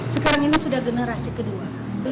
sekarang ini sudah generasi kedua